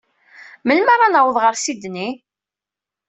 Melmi ara naweḍ ɣer Sydney?